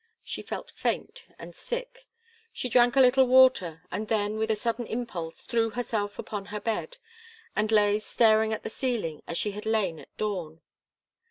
She felt faint and sick. She drank a little water, and then, with a sudden impulse, threw herself upon her bed, and lay staring at the ceiling, as she had lain at dawn.